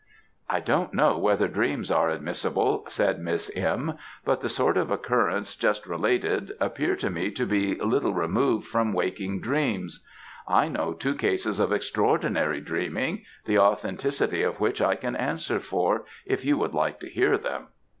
"I don't know whether dreams are admissible," said Miss M.; "but the sort of occurrences just related appear to me to be little removed from waking dreams. I know two cases of extraordinary dreaming, the authenticity of which I can answer for, if you would like to hear them."